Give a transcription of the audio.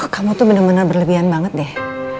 kamu tuh bener bener berlebihan banget deh